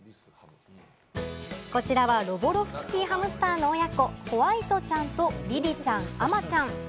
こちらはロボロフスキーハムスターの親子、ほわいとちゃんと、リリちゃん、アマちゃん。